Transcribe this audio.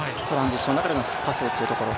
トランジションの中でのパス。